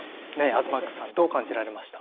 東ＭＡＸさんどう感じられました？